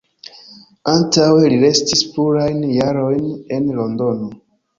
Antaŭe li restis plurajn jarojn en Londono.